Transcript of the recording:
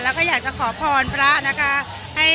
เราอยากจะขอพรผระนะคะ